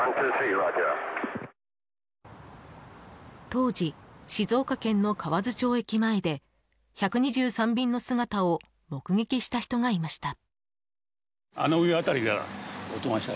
当時、静岡県の河津町駅前で１２３便の姿を目撃した人がいました。